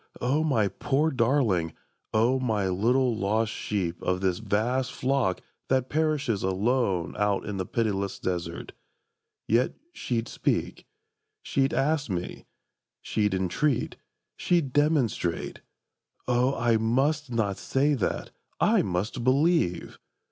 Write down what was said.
O my poor darling, O my little lost sheep Of this vast flock that perishes alone Out in the pitiless desert!—Yet she'd speak: She'd ask me: she'd entreat: she'd demonstrate. O I must not say that! I must believe!